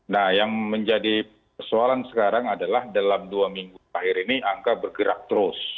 nah yang menjadi persoalan sekarang adalah dalam dua minggu terakhir ini angka bergerak terus